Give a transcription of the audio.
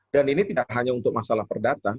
dan ini tidak hanya untuk masalah perdata